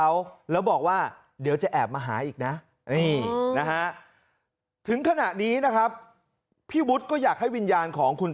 หรือว่าอะไรอันนี้เราก็ไม่รู้